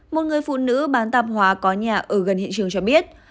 một người phụ nữ bán tạp hóa có nhà ở gần hiện trường cho biết